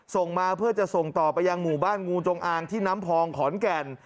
ส่งมาเพื่อจะส่งต่อไปยังหมู่บ้านงูจงอางที่น้ำพองขอนแก่น